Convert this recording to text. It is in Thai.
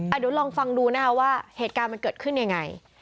เดี๋ยวลองฟังดูนะคะว่าเหตุการณ์มันเกิดขึ้นยังไง